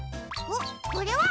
おっこれは？